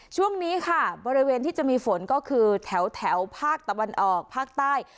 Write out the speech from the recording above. ช่วงนี้ค่ะบริเวณที่จะมีฝนก็คือแถวภาคตะวันออกภาคใต้